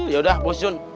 yaudah bos jun